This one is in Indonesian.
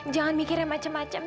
jangan mikir macem macem